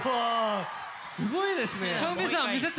すごいですね。